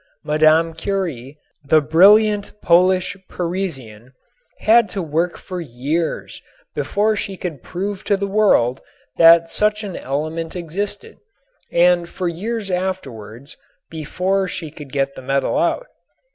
Madame Curie, the brilliant Polish Parisian, had to work for years before she could prove to the world that such an element existed and for years afterwards before she could get the metal out.